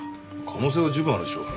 可能性は十分あるでしょう。